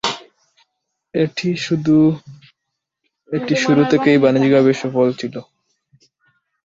এটি শুরু থেকেই বাণিজ্যিকভাবে সফল ছিল।